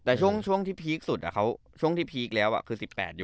แต่ช่วงช่วงที่พีคสุดอ่ะเขาช่วงที่พีคแล้วอ่ะคือสิบแปดอยู่